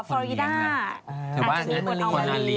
ถือว่าอันนั้นควรเอามาเลี้ยง